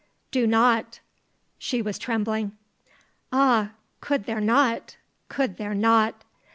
Do not." She was trembling. "Ah could there not! Could there not!"